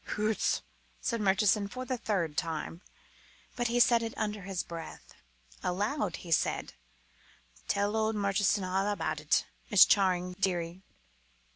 "Hoots!" said Murchison for the third time, but he said it under his breath. Aloud he said "Tell old Murchison a' aboot it, Miss Charling, dearie."